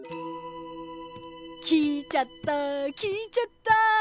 聞いちゃった聞いちゃった！